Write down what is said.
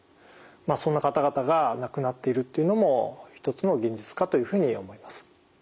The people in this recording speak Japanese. そんな方々が亡くなっているっていうのも一つの現実かというふうに思います。